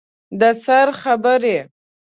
د سر خبرې